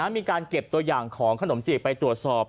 มีการเก็บตัวอย่างของขนมจีบไปตรวจสอบ